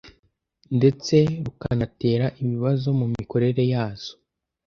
ndetse rukanatera ibibazo mu mikorere yazo.